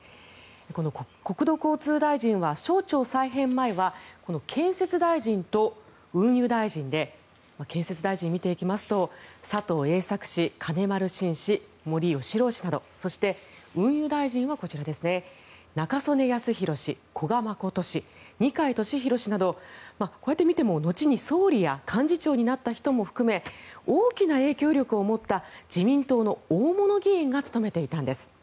この国土交通大臣は省庁再編前はこの建設大臣と運輸大臣で建設大臣を見ていきますと佐藤栄作氏金丸信氏、森喜朗氏などそして、運輸大臣はこちら中曽根康弘氏、古賀誠氏二階俊博氏などこうやって見ても後に総理や幹事長になった人も含め大きな影響力を持った自民党の大物議員が務めていたんです。